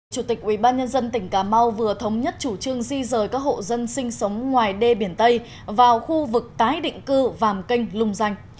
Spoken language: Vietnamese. chủ tịch ubnd tỉnh cà mau vừa thống nhất chủ trương di rời các hộ dân sinh sống ngoài đê biển tây vào khu vực tái định cư vàm kênh lung danh